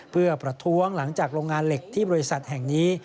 เพื่อประท้วงหลังจากโรงงานเหล็กที่บริษัทแห่งนี้